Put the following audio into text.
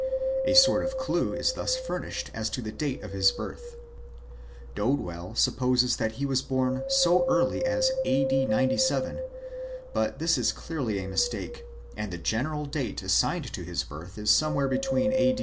A sort of clue is thus furnished as to the date of his birth. Dodwell sup poses that he was born so early as a.d. 97, but this is clearly a mistake ; and the general date assigned to his birth is somewhere between a.